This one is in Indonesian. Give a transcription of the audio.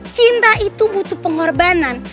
cinta itu butuh pengorbanan